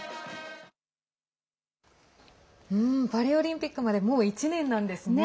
２４年のパリはパリオリンピックまでもう１年なんですね。